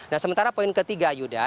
nah sementara poin ketiga yuda